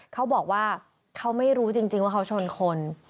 เขาบอกว่าเขาไม่รู้จริงว่าเขาชนคน